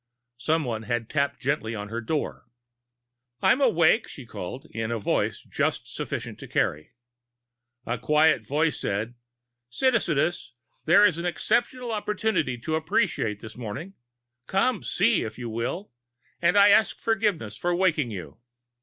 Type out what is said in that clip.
Someone had tapped gently on her door. "I am awake," she called, in a voice just sufficient to carry. A quiet voice said: "Citizeness, there is exceptional opportunity to Appreciate this morning. Come see, if you will. And I ask forgiveness for waking you."